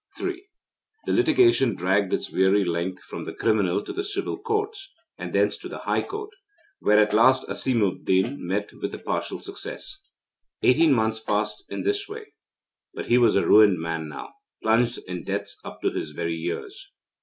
III The litigation dragged its weary length from the Criminal to the Civil Courts, and thence to the High Court, where at last Asimuddin met with a partial success. Eighteen months passed in this way. But he was a ruined man now plunged in debts up to his very ears.